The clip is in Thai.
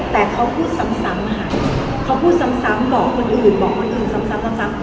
แต่เขาพูดซ้ำค่ะเขาพูดซ้ำบอกคนอื่นบอกคนอื่นซ้ำ